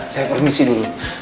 saya permisi dulu